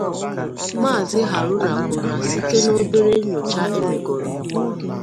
maazị Harụna kwuru na site n'obere nnyocha e mègoro